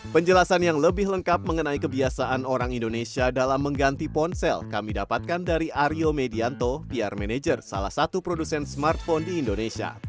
penjelasan yang lebih lengkap mengenai kebiasaan orang indonesia dalam mengganti ponsel kami dapatkan dari aryo medianto pr manager salah satu produsen smartphone di indonesia